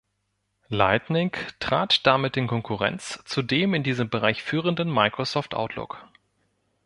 Lightning trat damit in Konkurrenz zu dem in diesem Bereich führenden Microsoft Outlook.